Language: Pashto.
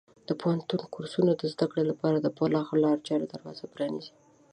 د پوهنتون کورسونه د زده کړې لپاره د پراخو لارو چارو دروازه پرانیزي.